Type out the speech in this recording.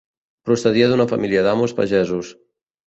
Procedia d'una família d'amos pagesos.